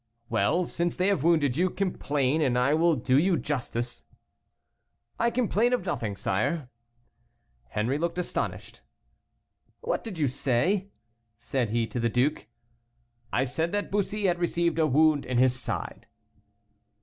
"Well, since they have wounded you, complain, and I will do you justice." "I complain of nothing, sire." Henri looked astonished. "What did you say?" said he to the duke. "I said that Bussy had received a wound in his side."